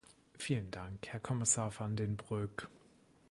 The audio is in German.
Vielen Dank, Herr Kommissar Van den Broek.